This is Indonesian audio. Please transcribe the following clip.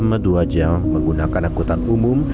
menuju jakarta ditempu selama dua jam menggunakan akutan umum